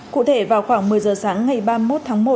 cụ thể vào khoảng một mươi giờ sáng ngày ba mươi một tháng một